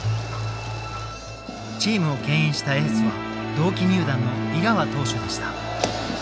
チームをけん引したエースは同期入団の井川投手でした。